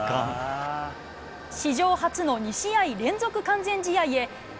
史上初の２試合連続完全試合へ。